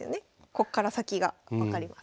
こっから先が分かります。